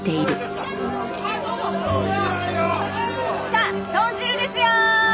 さあ豚汁ですよー！